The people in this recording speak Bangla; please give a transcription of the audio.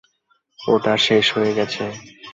ওটা শেষ হয়ে গেছে।